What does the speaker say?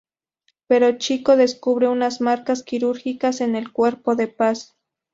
Pero Chico descubre unas marcas quirúrgicas en el cuerpo de Paz.